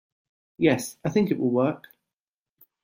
Yes, I think it will work.